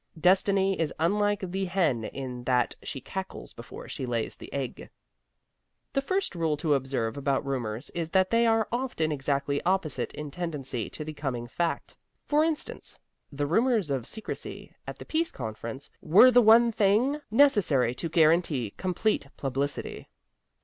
Destiny is unlike the hen in that she cackles before she lays the egg. The first rule to observe about rumors is that they are often exactly opposite in tendency to the coming fact. For instance, the rumors of secrecy at the Peace Conference were the one thing necessary to guarantee complete publicity.